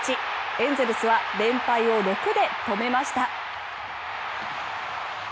エンゼルスは連敗を６で止めました。